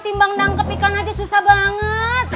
timbang nangkep ikan aja susah banget